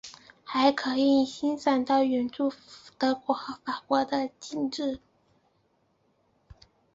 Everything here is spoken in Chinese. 还可以欣赏到远处德国和法国的景致。